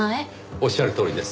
おっしゃるとおりです。